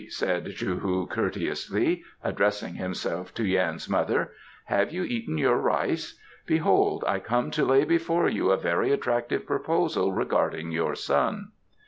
said Chou hu courteously, addressing himself to Yan's mother. "Have you eaten your rice? Behold, I come to lay before you a very attractive proposal regarding your son."